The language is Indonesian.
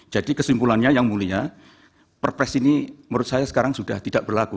jadi kesimpulannya yang mulia perpres ini menurut saya sekarang sudah tidak berlaku